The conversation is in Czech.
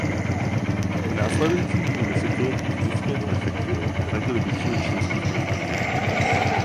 V následujících dvou desetiletích městské prefektury nahradily většinu čínských prefektur.